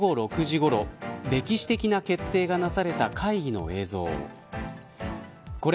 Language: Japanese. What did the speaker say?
これは昨日午後６時ごろ歴史的な決定がなされた会議の映像。